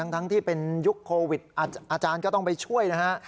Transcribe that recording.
ทั้งที่เป็นยุคโควิดอาจารย์ก็ต้องไปช่วยนะฮะ